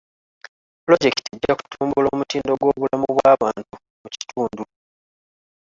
Pulojekiti ejja kutumbula omutindo gw'obulamu bw'abantu mu kitundu.